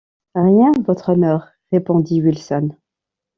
Rien, Votre Honneur, répondit Wilson.